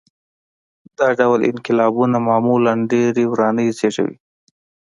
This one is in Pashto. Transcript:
دا ډول انقلابونه معمولاً ډېرې ورانۍ زېږوي.